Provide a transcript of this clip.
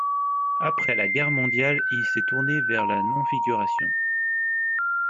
Après la guerre mondiale il s'est tourné vers la non-figuration.